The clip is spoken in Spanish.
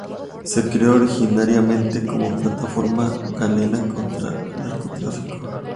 Se creó originariamente como Plataforma galega contra o Narcotráfico.